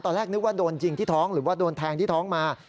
นึกว่าโดนยิงที่ท้องหรือว่าโดนแทงที่ท้องมา